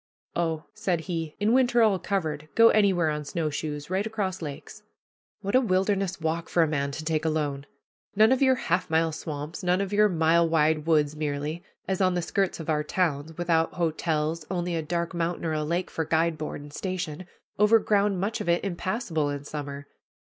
"Oh," said he, "in winter all covered, go anywhere on snowshoes, right across lakes." What a wilderness walk for a man to take alone! None of your half mile swamps, none of your mile wide woods merely, as on the skirts of our towns, without hotels, only a dark mountain or a lake for guide board and station, over ground much of it impassable in summer!